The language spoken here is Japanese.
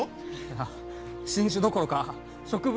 あ新種どころか植物